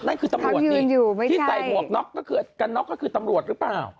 นั่นคือตำรวจนี่ที่ใส่หัวกน็อกก็คือตำรวจหรือเปล่า